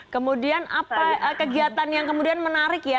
kemudian apa kegiatan yang kemudian menarik ya